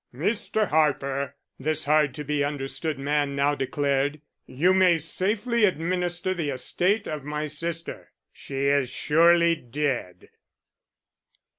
"Mr. Harper," this hard to be understood man now declared, "you may safely administer the estate of my sister. She is surely dead."